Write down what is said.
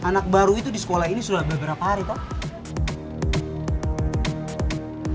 eh anak baru itu di sekolah ini sudah berapa hari tau